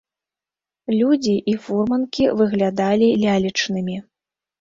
Людзі і фурманкі выглядалі лялечнымі.